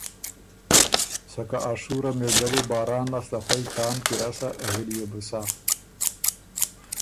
سکه ا شُوره مِرګۀ بُو باران لاسته خوئ تان کی رسا، غِليې بو سۀ،